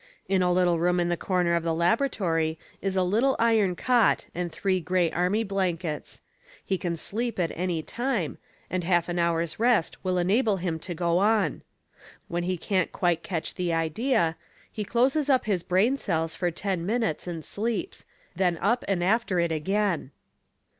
In a little room in the corner of the Laboratory is a little iron cot and three gray army blankets. He can sleep at any time, and half an hour's rest will enable him to go on. When he can't quite catch the idea, he closes up his brain cells for ten minutes and sleeps, then up and after it again.